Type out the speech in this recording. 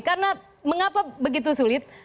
karena mengapa begitu sulit